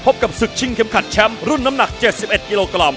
กับศึกชิงเข็มขัดแชมป์รุ่นน้ำหนัก๗๑กิโลกรัม